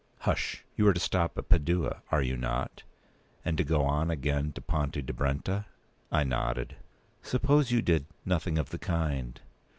"Hush! You are to stop at Padua, are you not, and to go on again at Ponte di Brenta?" I nodded. "Suppose you did nothing of the kind.